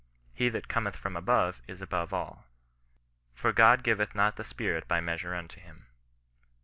He that cometh from above is above all." " For God giveth not the Spirit by mea sure unto him."